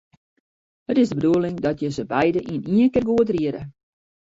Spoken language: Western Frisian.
It is de bedoeling dat je se beide yn ien kear goed riede.